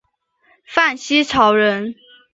范希朝人。